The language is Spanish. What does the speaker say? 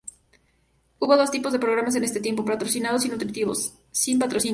Hubo dos tipos de programas en ese tiempo: "patrocinados" y "nutritivos", i.e., sin patrocinio.